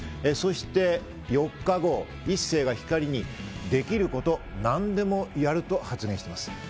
そして４日後、一星が光莉にできること、何でもやると発言しています。